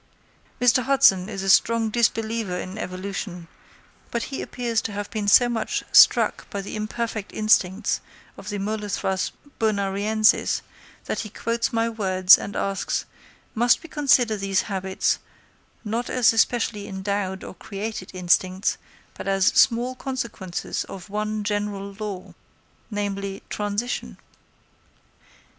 Mr. Hudson is a strong disbeliever in evolution, but he appears to have been so much struck by the imperfect instincts of the Molothrus bonariensis that he quotes my words, and asks, "Must we consider these habits, not as especially endowed or created instincts, but as small consequences of one general law, namely, transition?"